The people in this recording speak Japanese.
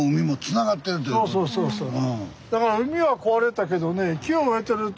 そうそうそうそう。